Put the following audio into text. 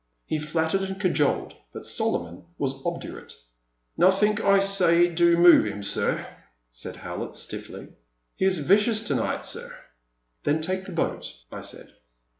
He flattered and cajoled, but Solomon was obdurate. *'Nothink I say do move 'im, sir!" said Howlett, stiffly ;he is vicious to night, sir." Then take the boat," I said.